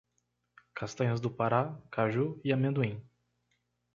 Castanhas do Pará, Caju e amendoim